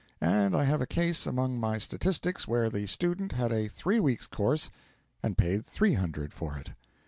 And I have a case among my statistics where the student had a three weeks' course and paid three hundred for it.